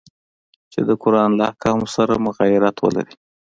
چي د قرآن له احکامو سره مغایرت ولري.